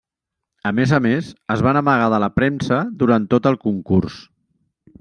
A més a més, es van amagar de la premsa durant tot el concurs.